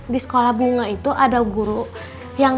di sekolah bunga itu ada guru yang